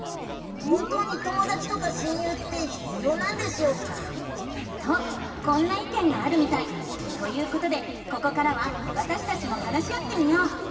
本当にともだちとか親友って必要なんでしょうか？とこんないけんがあるみたい！ということでここからはわたしたちも話し合ってみよう！